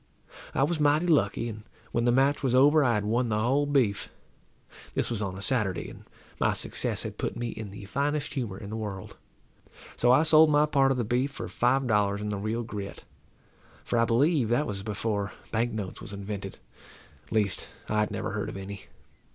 I was mighty lucky, and when the match was over I had won the whole beef. This was on a Saturday, and my success had put me in the finest humour in the world. So I sold my part of the beef for five dollars in the real grit, for I believe that was before bank notes was invented; at least, I had never heard of any.